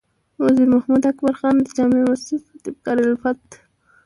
وزیر محمد اکبر خان د جامع مسجد خطیب قاري الفت،